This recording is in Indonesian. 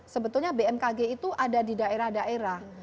sebetulnya bmkg itu ada di daerah daerah